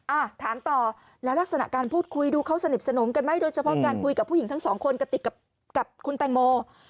อ่ะถามต่อแล้วลักษณะการพูดคุยดูเขาสนิทสนมกันไหมโดยเฉพาะการคุยกับผู้หญิงทั้งสองคนกระติกกับคุณแตงโม